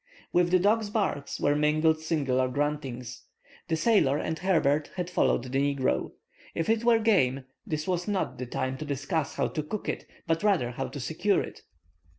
With the dog's barks were mingled singular gruntings. The sailor and Herbert had followed the negro. If it was game, this was not the time to discuss how to cook it, but rather how to secure it.